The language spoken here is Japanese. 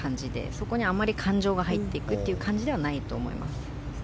そこにあまり感情が入っていく感じではないと思います。